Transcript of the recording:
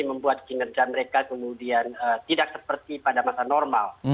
membuat kinerja mereka kemudian tidak seperti pada masa normal